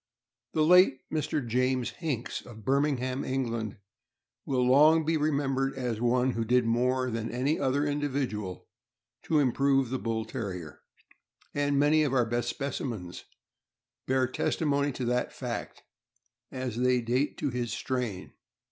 The late Mr. James Hinks, of Birmingham, England, will long be remembered as one who did more than any other individual to improve the Bull Terrier, and many of our best specimens bear testimony to that fact, as they date to his strain.